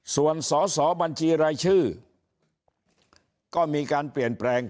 ส่วนสอสอบัญชีรายชื่อก็มีการเปลี่ยนแปลง